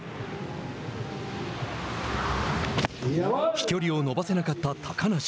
飛距離を伸ばせなかった高梨。